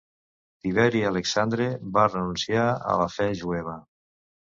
Tiberi Alexandre va renunciar a la fe jueva.